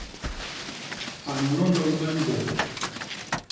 A nnôndôl me mbôñ.